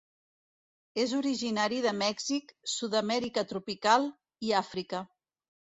És originari de Mèxic, Sud-amèrica tropical i Àfrica.